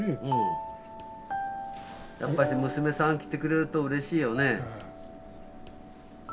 やっぱし娘さん来てくれるとうれしいよね。